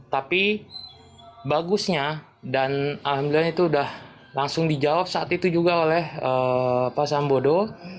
tapi bagusnya dan alhamdulillah itu sudah langsung dijawab saat itu juga oleh pak sambodo